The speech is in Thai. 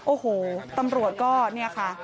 โอ้โหตำรวจก็เนี่ยค่ะ